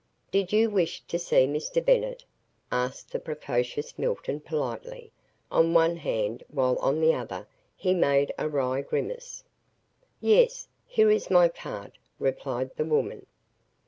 "Did you wish to see Mr. Bennett?" asked the precocious Milton politely on one hand while on the other he made a wry grimace. "Yes here is my card," replied the woman.